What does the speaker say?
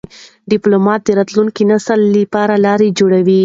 ډيپلومات د راتلونکي نسل لپاره لار جوړوي.